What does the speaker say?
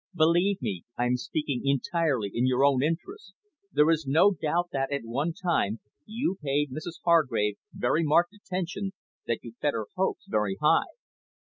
Believe me, I am speaking entirely in your own interests. There is no doubt that, at one time, you paid Mrs Hargrave very marked attention, that you fed her hopes very high."